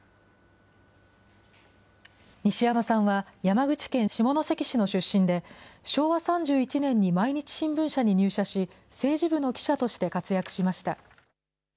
西山さんは、山口県下関市の出身で、昭和３１年に毎日新聞社に入社し、政治部の記者として活躍しました。